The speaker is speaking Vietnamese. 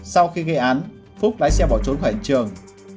sau khi gây án phúc lái xeo bỏ trốn khỏi hành trường